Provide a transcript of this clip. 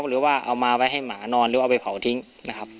หรือว่าเอามาไว้ให้หมานอนหรือเอาไปเผาทิ้งนะครับ